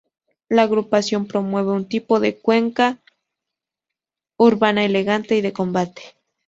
La agrupación promueve un tipo de cueca urbana elegante y de combate.